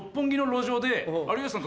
有吉さんと。